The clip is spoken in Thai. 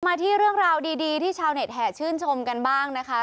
มาที่เรื่องราวดีที่ชาวเน็ตแห่ชื่นชมกันบ้างนะคะ